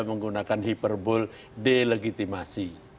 menggunakan hyperbole delegitimasi